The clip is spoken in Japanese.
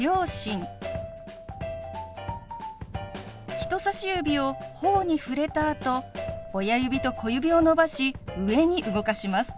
人さし指をほおに触れたあと親指と小指を伸ばし上に動かします。